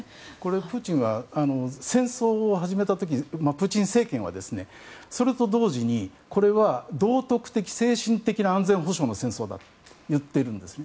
プーチンは戦争を始めた時にプーチン政権は、それと同時にこれは道徳的・精神的な安全保障の戦争だと言っているんですね。